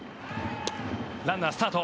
ランナースタート。